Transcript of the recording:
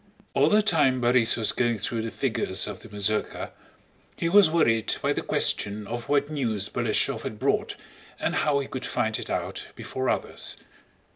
All the time Borís was going through the figures of the mazurka, he was worried by the question of what news Balashëv had brought and how he could find it out before others.